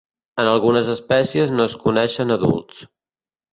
En algunes espècies no es coneixen adults.